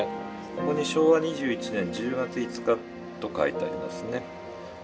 ここに昭和２１年１０月５日と書いてありますね。